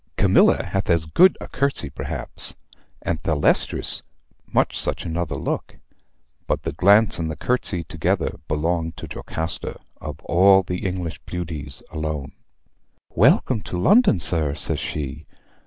Camilla hath as good a curtsy perhaps, and Thalestris much such another look; but the glance and the curtsy together belong to Jocasta of all the English beauties alone. "'Welcome to London, sir,' says she.